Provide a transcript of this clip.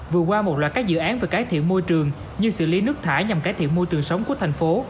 và các dự án về cải thiện môi trường như xử lý nước thải nhằm cải thiện môi trường sống của thành phố